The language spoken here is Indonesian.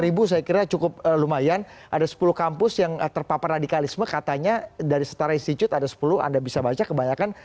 lima ribu saya kira cukup lumayan ada sepuluh kampus yang terpapar radikalisme katanya dari setara institut ada sepuluh anda bisa baca kebanyakan